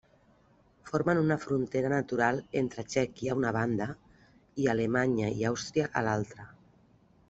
Formen una frontera natural entre Txèquia a una banda, i Alemanya i Àustria a l'altra.